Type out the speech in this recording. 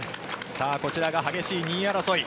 こちらが激しい２位争い。